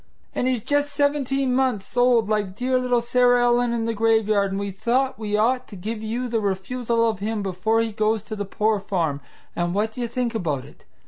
And he's just seventeen months old like dear little Sarah Ellen in the graveyard, and we thought we ought to give you the refusal of him before he goes to the poor farm, and what do you think about it?